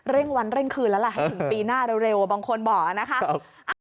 วันเร่งคืนแล้วล่ะให้ถึงปีหน้าเร็วบางคนบอกนะคะ